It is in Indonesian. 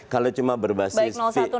kalau cuma berbasis